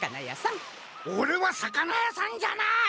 オレは魚屋さんじゃない！